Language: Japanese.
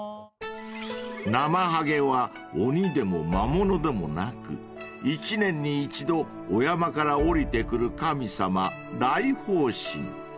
［ナマハゲは鬼でも魔物でもなく一年に一度お山から下りてくる神様来訪神］